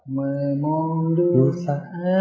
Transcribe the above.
ไม่มองดูสัก